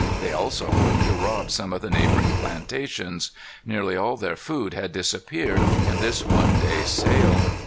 They also hoped to rob some of the neighboring plantations. Nearly all their food had disappeared in this one day's sail.